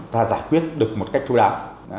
ta giải quyết được một cách thú đáo